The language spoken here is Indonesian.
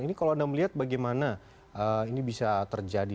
ini kalau anda melihat bagaimana ini bisa terjadi